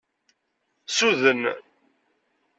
Suden.